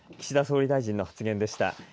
￥岸田総理大臣の発言でした。